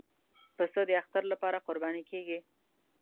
پسه د اختر لپاره قرباني کېږي.